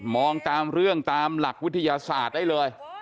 องตามเรื่องตามหลักวิทยาศาสตร์ได้เลย